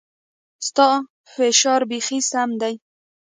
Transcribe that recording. ستا فشار بيخي سم ديه.